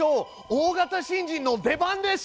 大型新人の出番です！